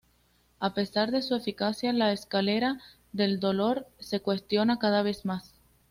A pesar de su eficacia la escalera del dolor se cuestiona cada vez más.